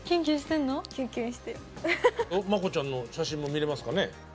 ＭＡＫＯちゃんの写真も見れますかね。